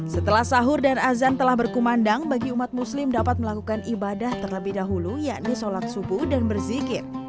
setelah sahur dan azan telah berkumandang bagi umat muslim dapat melakukan ibadah terlebih dahulu yakni sholat subuh dan berzikir